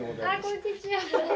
こんにちは